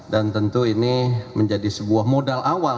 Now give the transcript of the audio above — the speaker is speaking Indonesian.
dan tentu ini menjadi sebuah modal awal